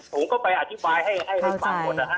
ผมก็ไปอธิบายให้ฝั่งหมด